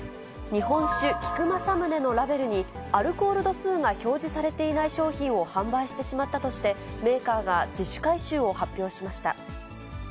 日本酒、菊正宗のラベルにアルコール度数が表示されていない商品を販売してしまったとして、メーカーが自主回収を発表しました。